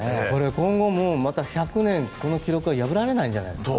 今後、また１００年この記録は破られないんじゃないですか。